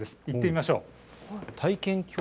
行ってみましょう。